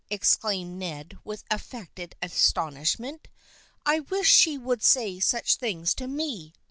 " exclaimed Ned, with affected astonishment. " I wish she would say such things to me